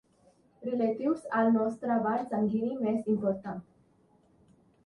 Relatius al nostre vas sanguini més important.